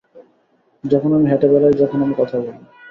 যখন আমি হেঁটে বেড়াই, যখন আমি কথা বলি!